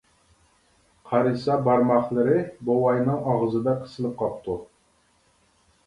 قارىسا بارماقلىرى بوۋاينىڭ ئاغزىدا قىسىلىپ قاپتۇ.